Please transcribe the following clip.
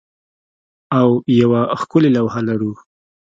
او یوه ښکلې لوحه لرو